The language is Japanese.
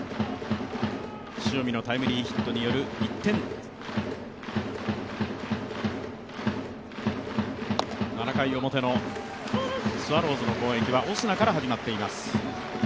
塩見のタイムリーヒットによる１点、７回表のスワローズの攻撃はオスナから始まっています。